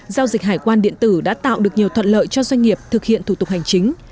giao dịch hải quan điện tử đã tạo được nhiều thuận lợi cho doanh nghiệp thực hiện thủ tục hành chính